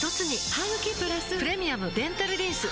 ハグキプラス「プレミアムデンタルリンス」